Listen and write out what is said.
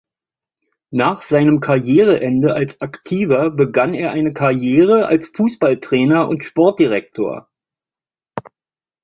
Nach seinem Karriereende als Aktiver begann er eine Karriere als Fußballtrainer und Sportdirektor.